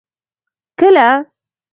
کله.